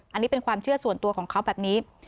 อันนี้เป็นความเชื่อส่วนตัวของเขาแบบนี้